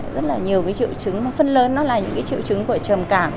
rất là nhiều triệu chứng phân lớn nó là những triệu chứng của trầm cảm